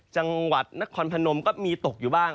จังหวัดนครพนมก็มีตกอยู่บ้าง